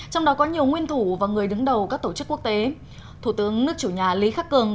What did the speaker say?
trong đó có nhiều nguyên thủ và người đứng đầu các tổ chức quốc tế thủ tướng nước chủ nhà lý khắc cường